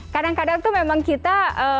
kadang kadang tuh memang kita